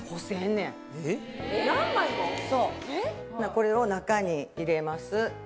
そうこれを中に入れます。